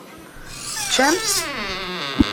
Teččam-tt?